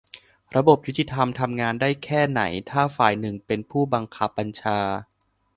- ระบบยุติธรรมทำงานได้แค่ไหนถ้าฝ่ายหนึ่งเป็นผู้บังคับบัญชา